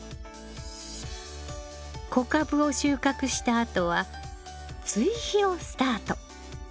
小株を収穫したあとは追肥をスタート。